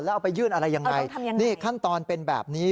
แล้วเอาไปยื่นอะไรยังไงนี่ขั้นตอนเป็นแบบนี้